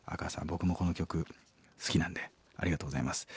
僕もこの曲好きなんでありがとうございます。